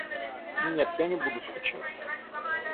Нет, я не буду скучать.